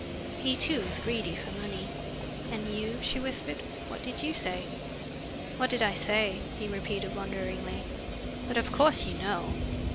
He, too, is greedy for money." "And you?" she whispered. "What did you say? "What did I say?" he repeated wonderingly. "But of course you know!